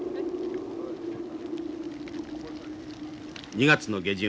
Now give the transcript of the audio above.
２月の下旬。